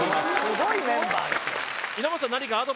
すごいメンバーです